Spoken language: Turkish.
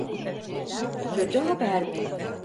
Kötü haber mi?